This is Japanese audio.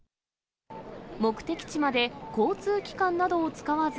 目的地まで交通機関などを使わず、